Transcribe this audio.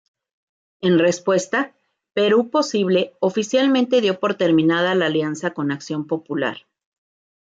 En respuesta, Perú Posible oficialmente dio por terminada la alianza con Acción Popular.